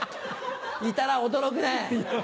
いたら驚くね！